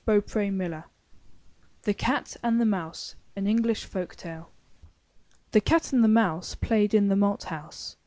77 MY BOOK HOUSE THE CAT AND THE MOUSE An English Folk Tale! The cat and the mouse Played in the malt house.